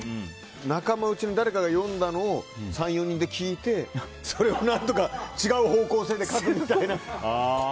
仲間内の誰かが読んだのを３４人で聞いてそれを何とか違う方向性で書くみたいな。